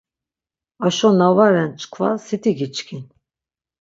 Aşo na va ren çkva siti giçkin.